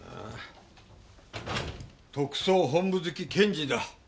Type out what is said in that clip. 特捜本部付き検事だ。